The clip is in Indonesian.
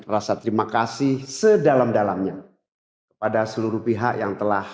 rasa terima kasih sedalam dalamnya kepada seluruh pihak yang telah